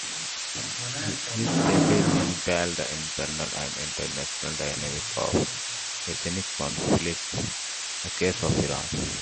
His thesis entitles "Internal and international dynamics of ethnic conflict: the case of Iran".